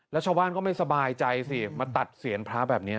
แล้วชาวบ้านก็ไม่สบายใจสิมาตัดเสียงพระแบบนี้